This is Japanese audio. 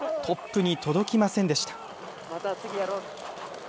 トップに届きませんでした。